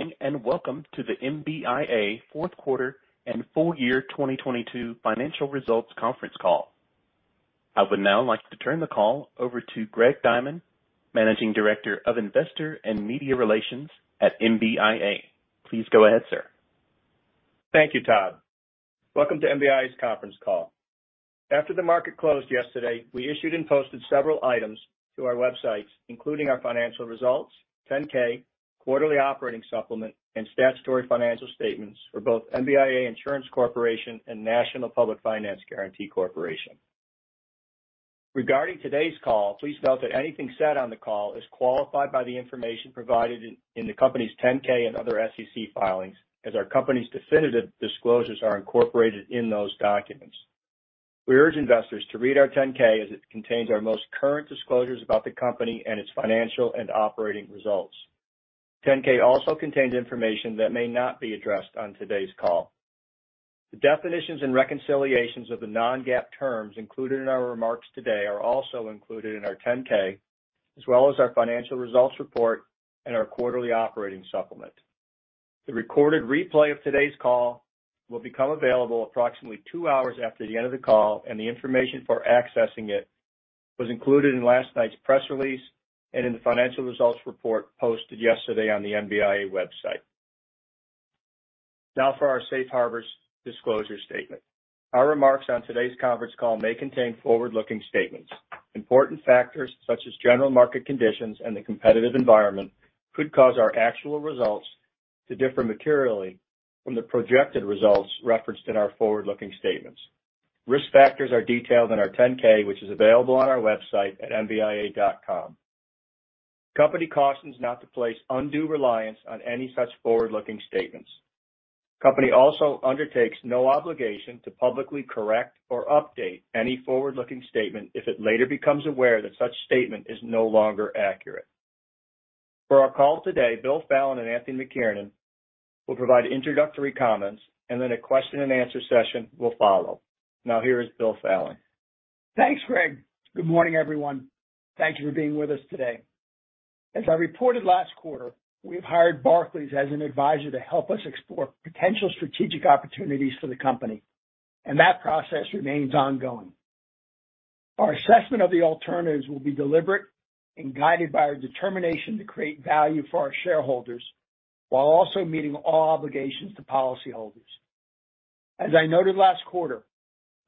Good morning, welcome to the MBIA fourth quarter and full year 2022 financial results conference call. I would now like to turn the call over to Greg Diamond, Managing Director of Investor and Media Relations at MBIA. Please go ahead, sir. Thank you, Todd. Welcome to MBIA's conference call. After the market closed yesterday, we issued and posted several items to our website, including our financial results, 10-K, quarterly operating supplement, and statutory financial statements for both MBIA Insurance Corporation and National Public Finance Guarantee Corporation. Regarding today's call, please note that anything said on the call is qualified by the information provided in the company's 10-K and other SEC filings as our company's definitive disclosures are incorporated in those documents. We urge investors to read our 10-K as it contains our most current disclosures about the company and its financial and operating results. 10-K also contains information that may not be addressed on today's call. The definitions and reconciliations of the non-GAAP terms included in our remarks today are also included in our 10-K, as well as our financial results report and our quarterly operating supplement. The recorded replay of today's call will become available approximately two hours after the end of the call, the information for accessing it was included in last night's press release and in the financial results report posted yesterday on the MBIA website. Now for our safe harbors disclosure statement. Our remarks on today's conference call may contain forward-looking statements. Important factors such as general market conditions and the competitive environment could cause our actual results to differ materially from the projected results referenced in our forward-looking statements. Risk factors are detailed in our 10-K, which is available on our website at mbia.com. Company cautions not to place undue reliance on any such forward-looking statements. Company also undertakes no obligation to publicly correct or update any forward-looking statement if it later becomes aware that such statement is no longer accurate. For our call today, Bill Fallon and Anthony McKiernan will provide introductory comments, and then a question-and-answer session will follow. Now here is Bill Fallon. Thanks, Greg. Good morning, everyone. Thank you for being with us today. As I reported last quarter, we have hired Barclays as an advisor to help us explore potential strategic opportunities for the company. That process remains ongoing. Our assessment of the alternatives will be deliberate and guided by our determination to create value for our shareholders while also meeting all obligations to policyholders. As I noted last quarter,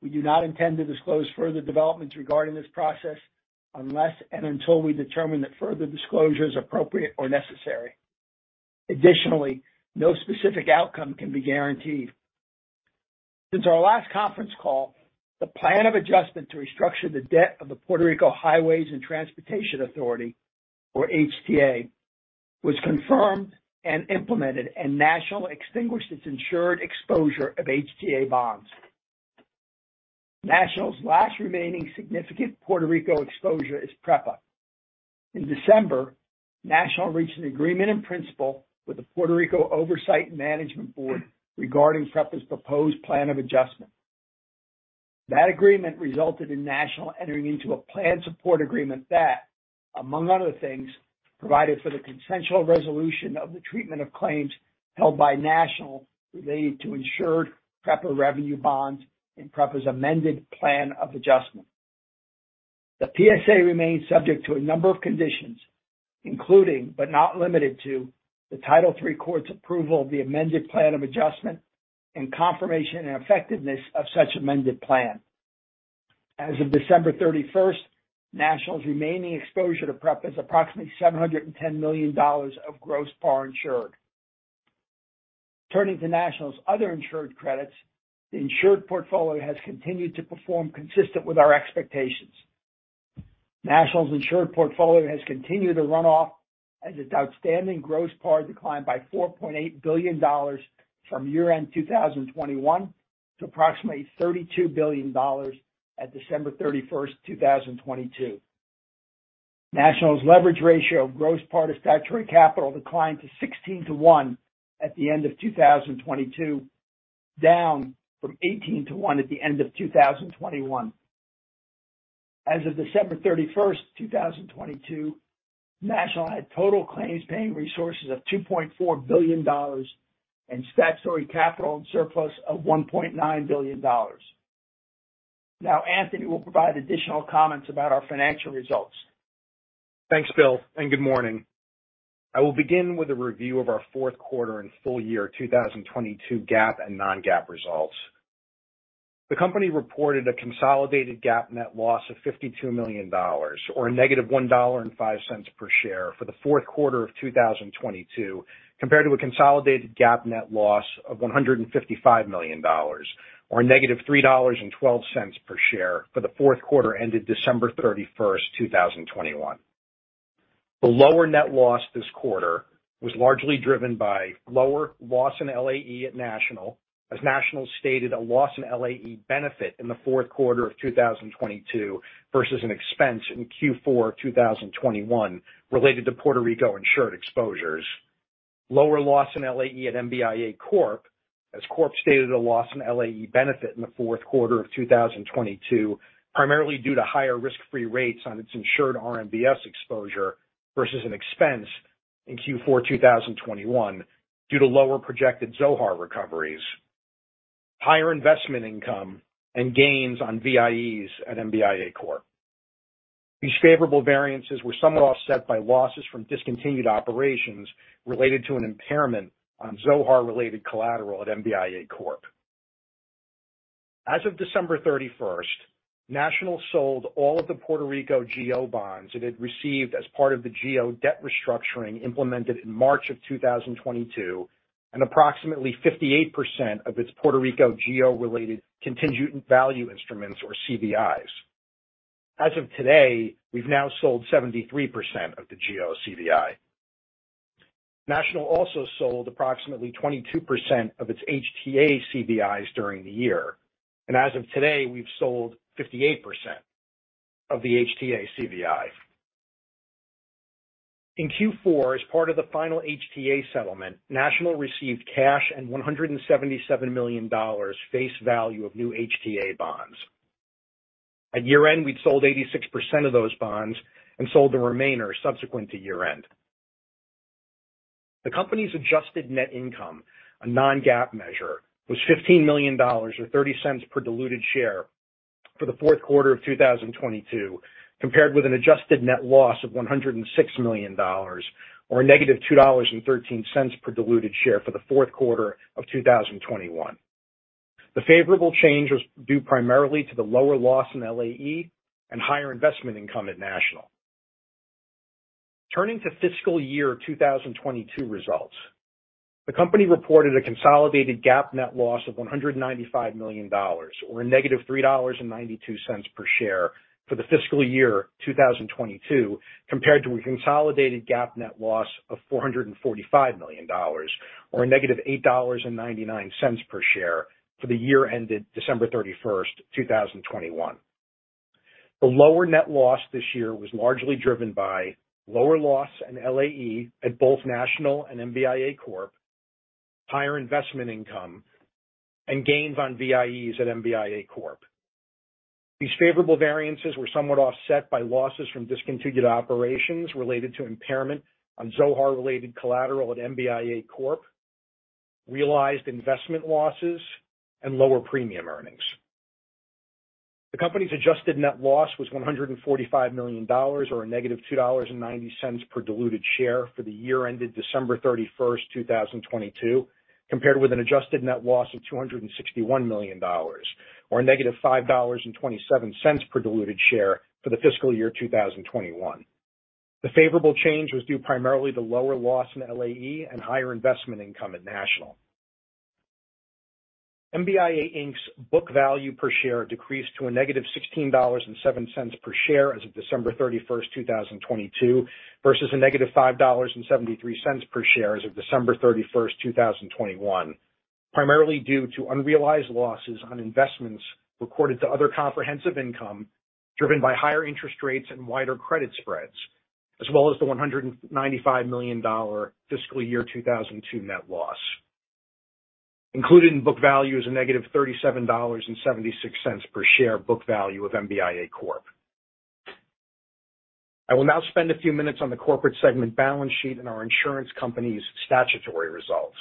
we do not intend to disclose further developments regarding this process unless and until we determine that further disclosure is appropriate or necessary. Additionally, no specific outcome can be guaranteed. Since our last conference call, the plan of adjustment to restructure the debt of the Puerto Rico Highways and Transportation Authority, or HTA, was confirmed and implemented, and National extinguished its insured exposure of HTA bonds. National's last remaining significant Puerto Rico exposure is PREPA. In December, National reached an agreement in principle with the Puerto Rico Oversight Management Board regarding PREPA's proposed Plan of Adjustment. That agreement resulted in National entering into a plan support agreement that, among other things, provided for the consensual resolution of the treatment of claims held by National related to insured PREPA revenue bonds and PREPA's amended Plan of Adjustment. The PSA remains subject to a number of conditions, including, but not limited to, the Title III court's approval of the amended Plan of Adjustment and confirmation and effectiveness of such amended plan. As of December 31st, National's remaining exposure to PREPA is approximately $710 million of gross par insured. Turning to National's other insured credits, the insured portfolio has continued to perform consistent with our expectations. National's insured portfolio has continued to run off as its outstanding gross par declined by $4.8 billion from year-end 2021 to approximately $32 billion at December 31st, 2022. National's leverage ratio of gross par to statutory capital declined to 16 to one at the end of 2022, down from 18 to one at the end of 2021. As of December 31st, 2022, National had total claims-paying resources of $2.4 billion and statutory capital and surplus of $1.9 billion. Now Anthony will provide additional comments about our financial results. Thanks, Bill. Good morning. I will begin with a review of our fourth quarter and full year 2022 GAAP and non-GAAP results. The company reported a consolidated GAAP net loss of $52 million, or a -$1.05 per share for the fourth quarter of 2022, compared to a consolidated GAAP net loss of $155 million, or -$3.12 per share for the fourth quarter ended December 31st, 2021. The lower net loss this quarter was largely driven by lower loss in LAE at National, as National stated a loss in LAE benefit in the fourth quarter of 2022 versus an expense in Q4 2021 related to Puerto Rico insured exposures. Lower loss in LAE at MBIA Corp. Corp stated a loss in LAE benefit in the fourth quarter of 2022, primarily due to higher risk-free rates on its insured RMBS exposure versus an expense in Q4 2021 due to lower projected Zohar recoveries, higher investment income, and gains on VIEs at MBIA Corp. These favorable variances were somewhat offset by losses from discontinued operations related to an impairment on Zohar-related collateral at MBIA Corp. As of December 31st, National sold all of the Puerto Rico GO bonds it had received as part of the GO debt restructuring implemented in March of 2022, and approximately 58% of its Puerto Rico GO-related contingent value instruments, or CVIs. As of today, we've now sold 73% of the GO CVI. National also sold approximately 22% of its HTA CVIs during the year. As of today, we've sold 58% of the HTA CVI. In Q4, as part of the final HTA settlement, National received cash and $177 million face value of new HTA bonds. At year-end, we'd sold 86% of those bonds and sold the remainder subsequent to year-end. The company's adjusted net income, a non-GAAP measure, was $15 million, or $0.30 per diluted share for the fourth quarter of 2022, compared with an adjusted net loss of $106 million, or a -$2.13 per diluted share for the fourth quarter of 2021. The favorable change was due primarily to the lower loss in LAE and higher investment income at National. Turning to fiscal year 2022 results. The company reported a consolidated GAAP net loss of $195 million, or a -$3.92 per share for the fiscal year 2022, compared to a consolidated GAAP net loss of $445 million or a -$8.99 per share for the year ended December 31st, 2021. The lower net loss this year was largely driven by lower loss in LAE at both National and MBIA Corp, higher investment income, and gains on VIEs at MBIA Corp. These favorable variances were somewhat offset by losses from discontinued operations related to impairment on Zohar-related collateral at MBIA Corp, realized investment losses, and lower premium earnings. The company's adjusted net loss was $145 million or a -$2.90 per diluted share for the year ended December 31st, 2022, compared with an adjusted net loss of $261 million or a -$5.27 per diluted share for the fiscal year 2021. The favorable change was due primarily to lower loss in LAE and higher investment income at National. MBIA Inc's book value per share decreased to -$16.07 per share as of December 31st, 2022 versus -$5.73 per share as of December 31st, 2021, primarily due to unrealized losses on investments recorded to other comprehensive income driven by higher interest rates and wider credit spreads, as well as the $195 million fiscal year [2022] net loss. Included in book value is a -$37.76 per share book value of MBIA Corp. I will now spend a few minutes on the corporate segment balance sheet and our insurance company's statutory results.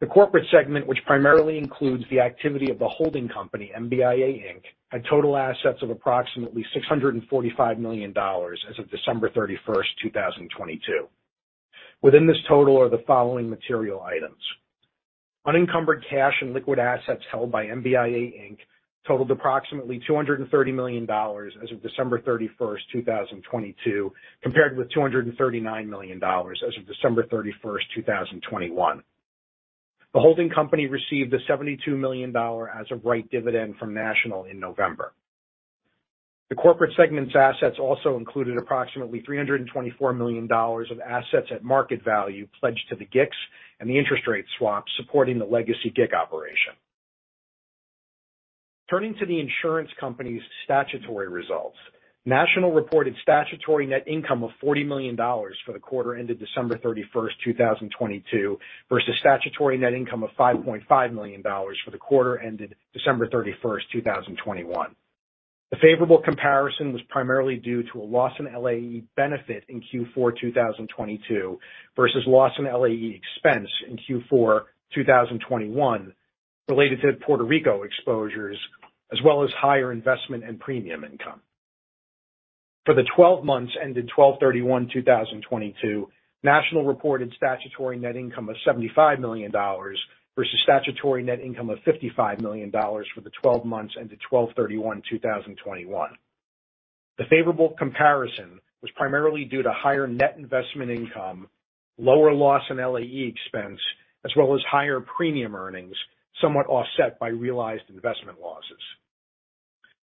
The corporate segment, which primarily includes the activity of the holding company, MBIA Inc, had total assets of approximately $645 million as of December 31st, 2022. Within this total are the following material items. Unencumbered cash and liquid assets held by MBIA Inc totaled approximately $230 million as of December 31st, 2022, compared with $239 million as of December 31st, 2021. The holding company received a $72 million as a right dividend from National in November. The corporate segment's assets also included approximately $324 million of assets at market value pledged to the GICS and the interest rate swap supporting the legacy GIC operation. Turning to the insurance company's statutory results. National reported statutory net income of $40 million for the quarter ended December 31st, 2022 versus statutory net income of $5.5 million for the quarter ended December 31st, 2021. The favorable comparison was primarily due to a loss in LAE benefit in Q4 2022 versus loss in LAE expense in Q4 2021 related to Puerto Rico exposures, as well as higher investment and premium income. For the 12 months ended 12/31/2022, National reported statutory net income of $75 million versus statutory net income of $55 million for the 12 months ended 12/31/2021. The favorable comparison was primarily due to higher net investment income, lower loss in LAE expense, as well as higher premium earnings, somewhat offset by realized investment losses.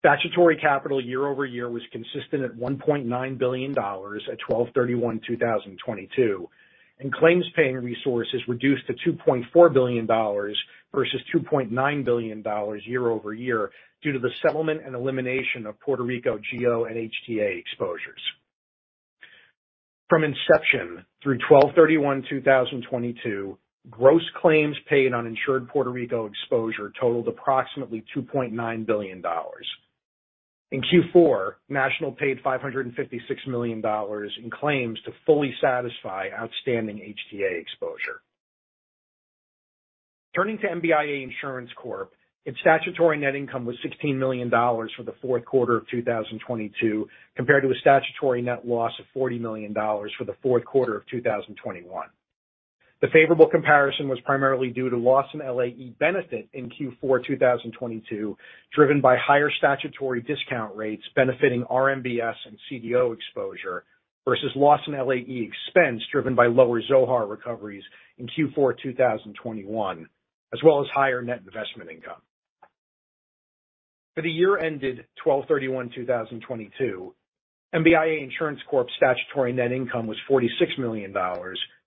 Statutory capital year-over-year was consistent at $1.9 billion at 12/31/2022, and claims-paying resources reduced to $2.4 billion versus $2.9 billion year-over-year due to the settlement and elimination of Puerto Rico GO and HTA exposures. From inception through 12/31/2022, gross claims paid on insured Puerto Rico exposure totaled approximately $2.9 billion. In Q4, National paid $556 million in claims to fully satisfy outstanding HTA exposure. Turning to MBIA Insurance Corp, its statutory net income was $16 million for the fourth quarter of 2022, compared to a statutory net loss of $40 million for the fourth quarter of 2021. The favorable comparison was primarily due to loss in LAE benefit in Q4 2022, driven by higher statutory discount rates benefiting RMBS and CDO exposure versus loss in LAE expense driven by lower Zohar recoveries in Q4 2021, as well as higher net investment income. For the year ended 12/31/2022, MBIA Insurance Corp's statutory net income was $46 million,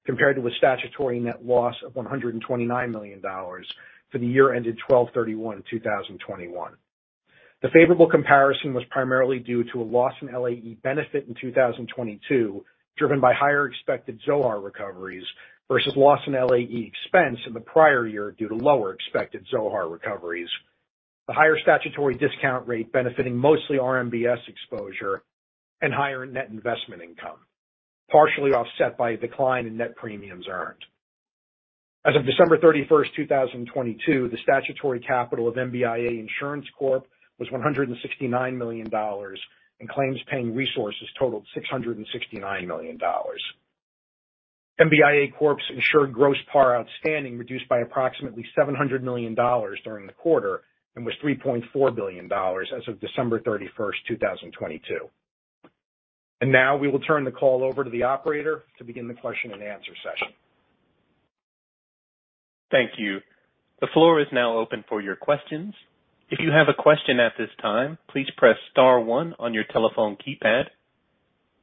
compared to a statutory net loss of $129 million for the year ended 12/31/2021. The favorable comparison was primarily due to a loss in LAE benefit in 2022, driven by higher expected Zohar recoveries versus loss in LAE expense in the prior year due to lower expected Zohar recoveries. The higher statutory discount rate benefiting mostly RMBS exposure and higher net investment income, partially offset by a decline in net premiums earned. As of December 31, 2022, the statutory capital of MBIA Insurance Corp was $169 million, and claims-paying resources totaled $669 million. MBIA Corp's insured gross par outstanding reduced by approximately $700 million during the quarter and was $3.4 billion as of December 31st, 2022. Now we will turn the call over to the operator to begin the question and answer session. Thank you. The floor is now open for your questions. If you have a question at this time, please press star one on your telephone keypad.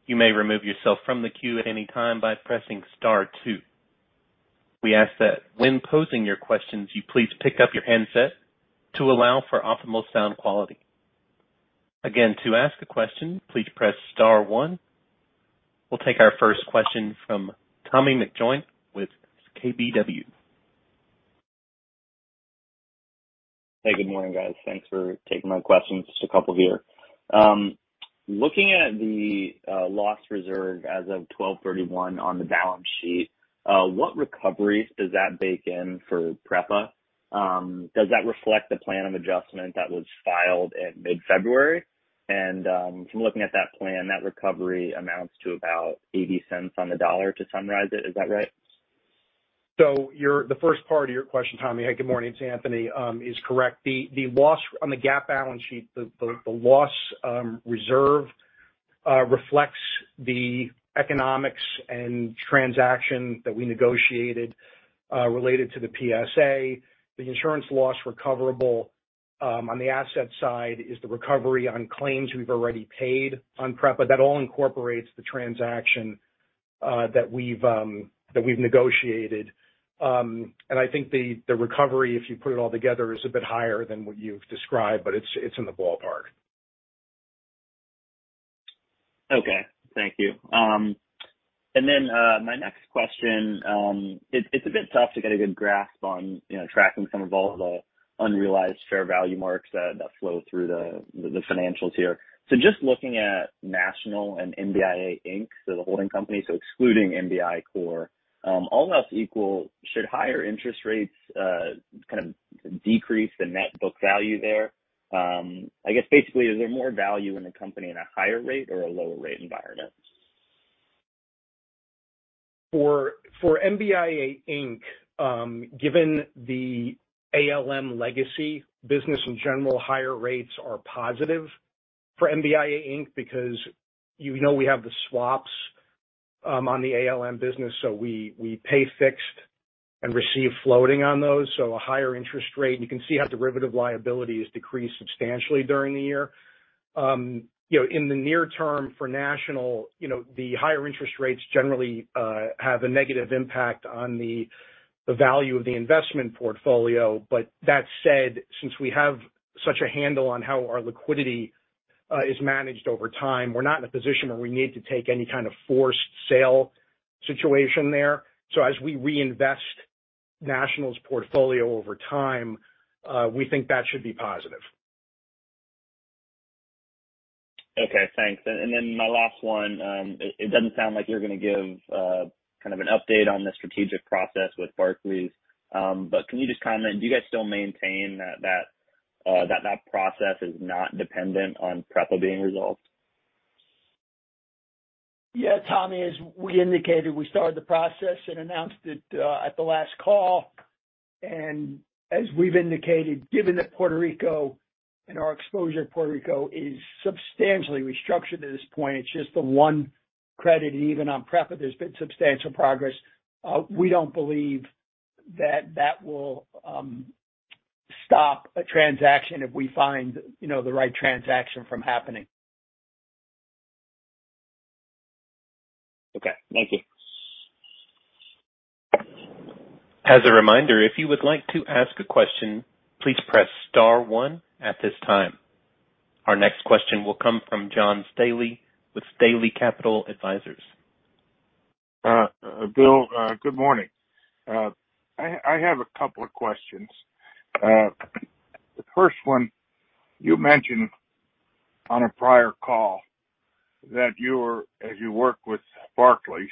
You may remove yourself from the queue at any time by pressing star two. We ask that when posing your questions, you please pick up your handset to allow for optimal sound quality. Again, to ask a question, please press star one. We'll take our first question from Tommy McJoynt with KBW. Hey, good morning, guys. Thanks for taking my question. Just a couple here. Looking at the loss reserve as of 12/31 on the balance sheet, what recoveries does that bake in for PREPA? Does that reflect the Plan of Adjustment that was filed in mid-February? From looking at that plan, that recovery amounts to about $0.80 on the dollar to summarize it. Is that right? The first part of your question, Tommy, hey, good morning, it's Anthony, is correct. The loss on the GAAP balance sheet, the loss reserve, reflects the economics and transaction that we negotiated related to the PSA. The insurance loss recoverable on the asset side is the recovery on claims we've already paid on PREPA. That all incorporates the transaction that we've negotiated. I think the recovery, if you put it all together, is a bit higher than what you've described, but it's in the ballpark. Okay. Thank you. My next question, it's a bit tough to get a good grasp on, you know, tracking some of all the unrealized fair value marks that flow through the financials here. Just looking at National and MBIA Inc, so the holding company, so excluding MBIA Corp, all else equal, should higher interest rates kind of decrease the net book value there? I guess basically, is there more value in the company in a higher rate or a lower rate environment? For MBIA Inc, given the ALM legacy business in general, higher rates are positive for MBIA Inc because you know we have the swaps on the ALM business, so we pay fixed and receive floating on those. A higher interest rate. You can see how derivative liability has decreased substantially during the year. You know, in the near term for National, you know, the higher interest rates generally have a negative impact on the value of the investment portfolio. That said, since we have such a handle on how our liquidity is managed over time, we're not in a position where we need to take any kind of forced sale situation there. As we reinvest National's portfolio over time, we think that should be positive. Okay, thanks. Then my last one. It doesn't sound like you're gonna give kind of an update on the strategic process with Barclays. Can you just comment, do you guys still maintain that process is not dependent on PREPA being resolved? Yeah, Tommy, as we indicated, we started the process and announced it, at the last call. As we've indicated, given that Puerto Rico and our exposure to Puerto Rico is substantially restructured at this point, it's just the one credit. Even on PREPA, there's been substantial progress. We don't believe that that will stop a transaction if we find, you know, the right transaction from happening. Okay. Thank you. As a reminder, if you would like to ask a question, please press star one at this time. Our next question will come from John Staley with Staley Capital Advisors. Bill, good morning. I have a couple of questions. The first one, you mentioned on a prior call that you're, as you work with Barclays,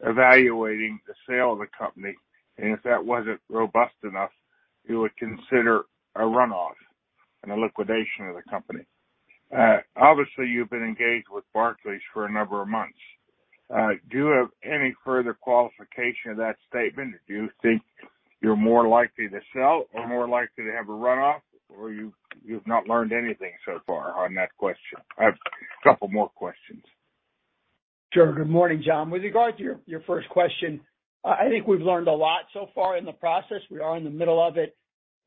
evaluating the sale of the company, and if that wasn't robust enough, you would consider a runoff and a liquidation of the company. Obviously you've been engaged with Barclays for a number of months. Do you have any further qualification of that statement? Do you think you're more likely to sell or more likely to have a runoff, or you've not learned anything so far on that question? I have a couple more questions. Sure. Good morning, John. With regard to your first question, I think we've learned a lot so far in the process. We are in the middle of it,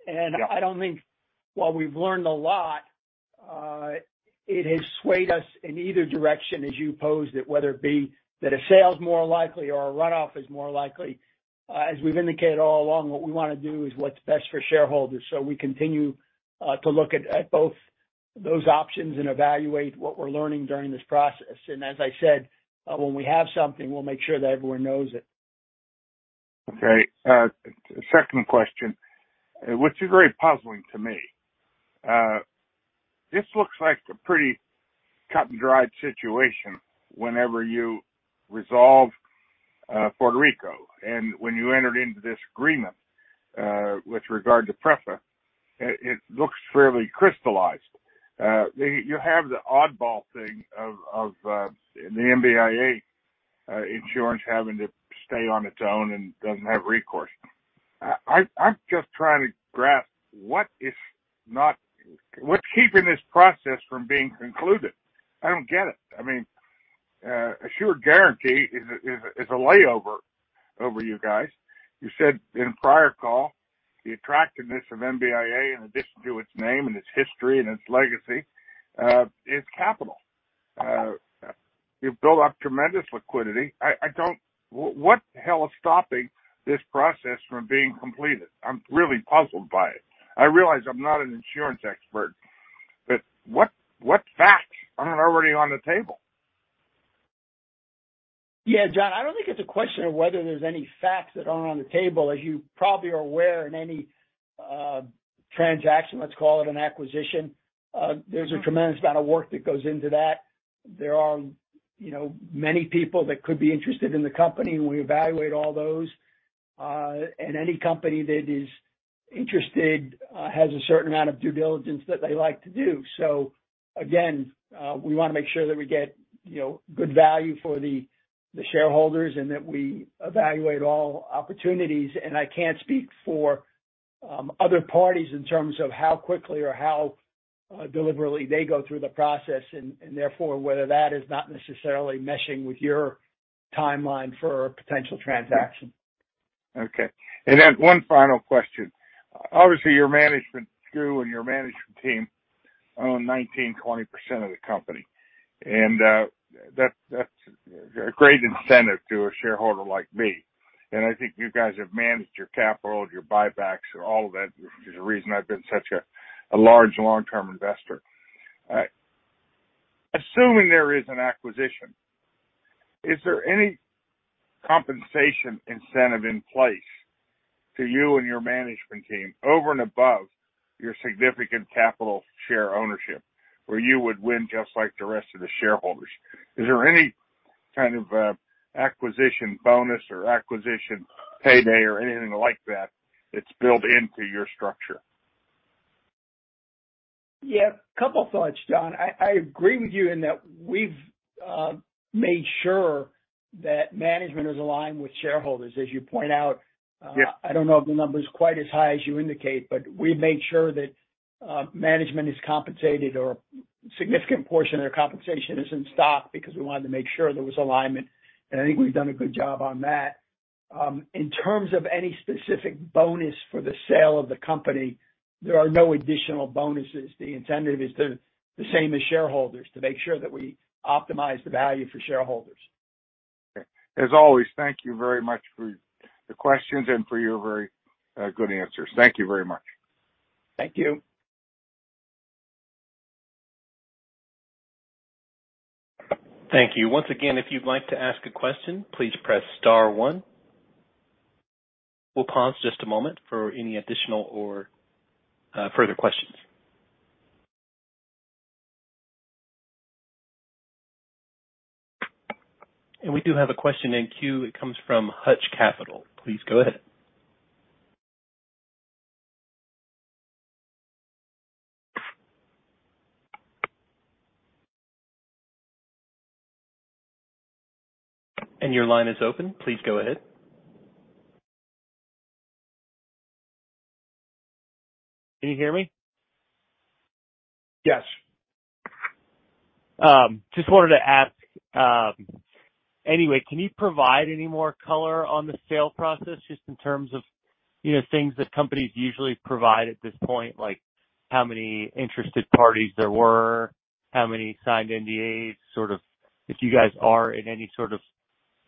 I don't think while we've learned a lot, it has swayed us in either direction as you posed it, whether it be that a sale is more likely or a runoff is more likely. As we've indicated all along, what we wanna do is what's best for shareholders. We continue to look at both those options and evaluate what we're learning during this process. As I said, when we have something, we'll make sure that everyone knows it. Okay. Second question, which is very puzzling to me. This looks like a pretty cut and dried situation whenever you resolve Puerto Rico and when you entered into this agreement, with regard to PREPA, it looks fairly crystallized. You have the oddball thing of the MBIA Insurance having to stay on its own and doesn't have recourse. I'm just trying to grasp what's keeping this process from being concluded. I don't get it. I mean, Assured Guaranty is a layover over you guys. You said in a prior call, the attractiveness of MBIA in addition to its name and its history and its legacy, is capital. You've built up tremendous liquidity. I don't... What the hell is stopping this process from being completed? I'm really puzzled by it. I realize I'm not an insurance expert, but what facts aren't already on the table? Yeah, John, I don't think it's a question of whether there's any facts that aren't on the table. As you probably are aware in any transaction, let's call it an acquisition, there's a tremendous amount of work that goes into that. There are, you know, many people that could be interested in the company. We evaluate all those. Any company that is interested, has a certain amount of due diligence that they like to do. Again, we wanna make sure that we get, you know, good value for the shareholders and that we evaluate all opportunities. I can't speak for other parties in terms of how quickly or how deliberately they go through the process and therefore whether that is not necessarily meshing with your timeline for a potential transaction. Okay. Then one final question. Obviously, your management crew and your management team own 19%, 20% of the company, and that's a great incentive to a shareholder like me. I think you guys have managed your capital, your buybacks, and all of that, which is the reason I've been such a large long-term investor. Assuming there is an acquisition, is there any compensation incentive in place to you and your management team over and above your significant capital share ownership where you would win just like the rest of the shareholders? Is there any kind of acquisition bonus or acquisition payday or anything like that that's built into your structure? Yeah. Couple thoughts, John. I agree with you in that we've made sure that management is aligned with shareholders, as you point out. Yeah. I don't know if the number is quite as high as you indicate, but we made sure that management is compensated or a significant portion of their compensation is in stock because we wanted to make sure there was alignment. I think we've done a good job on that. In terms of any specific bonus for the sale of the company, there are no additional bonuses. The incentive is the same as shareholders to make sure that we optimize the value for shareholders. As always, thank you very much for the questions and for your very good answers. Thank you very much. Thank you. Thank you. Once again, if you'd like to ask a question, please press star one. We'll pause just a moment for any additional or further questions. We do have a question in queue. It comes from Hutch Capital. Please go ahead. Your line is open. Please go ahead. Can you hear me? Yes. Just wanted to ask, anyway, can you provide any more color on the sale process just in terms of, you know, things that companies usually provide at this point, like, how many interested parties there were, how many signed NDAs, sort of if you guys are in any sort of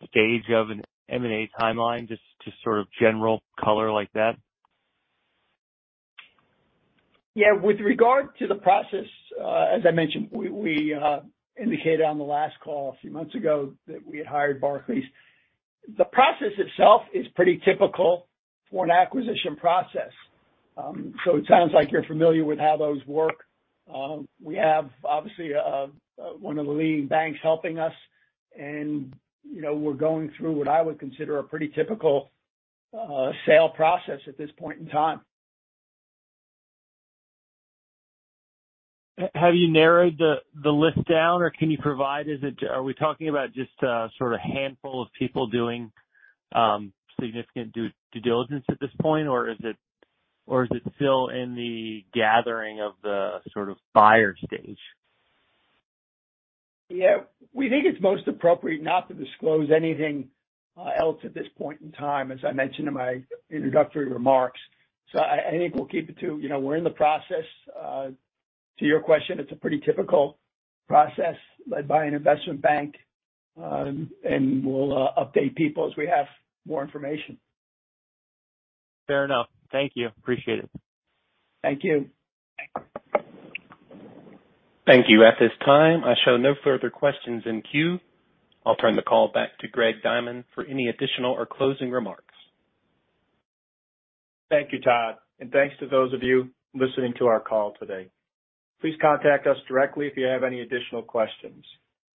stage of an M&A timeline, just sort of general color like that? With regard to the process, as I mentioned, we indicated on the last call a few months ago that we had hired Barclays. The process itself is pretty typical for an acquisition process. It sounds like you're familiar with how those work. We have obviously one of the leading banks helping us and, you know, we're going through what I would consider a pretty typical sale process at this point in time. Have you narrowed the list down or can you provide? Are we talking about just a sort of handful of people doing significant due diligence at this point, or is it still in the gathering of the sort of buyer stage? Yeah. We think it's most appropriate not to disclose anything else at this point in time, as I mentioned in my introductory remarks. I think we'll keep it to, you know, we're in the process. To your question, it's a pretty typical process led by an investment bank. We'll update people as we have more information. Fair enough. Thank you. Appreciate it. Thank you. Thank you. At this time, I show no further questions in queue. I'll turn the call back to Greg Diamond for any additional or closing remarks. Thank you, Todd, and thanks to those of you listening to our call today. Please contact us directly if you have any additional questions.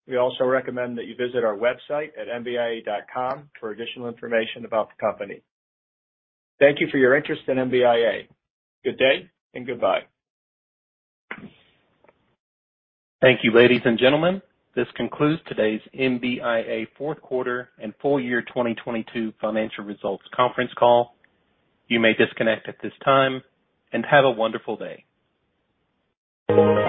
We also recommend that you visit our website at mbia.com for additional information about the company. Thank you for your interest in MBIA. Good day and goodbye. Thank you, ladies and gentlemen. This concludes today's MBIA fourth quarter and full year 2022 financial results conference call. You may disconnect at this time. Have a wonderful day.